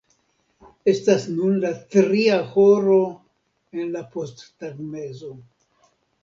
Estas nun la tria horo en la posttagmezo.